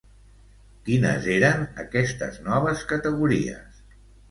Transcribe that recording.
Quines eren aquestes noves categories?